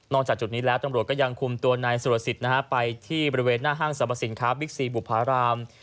จากจุดนี้แล้วตำรวจก็ยังคุมตัวนายสุรสิทธิ์ไปที่บริเวณหน้าห้างสรรพสินค้าบิ๊กซีบุภาราม